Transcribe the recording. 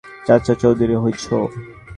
চাচা চৌধুরী হইছো?